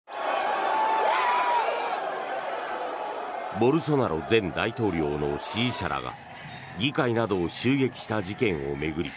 ボルソナロ前大統領の支持者らが議会などを襲撃した事件を巡り